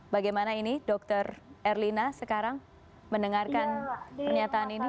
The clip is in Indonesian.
bagaimana ini dokter erlina sekarang mendengarkan pernyataan ini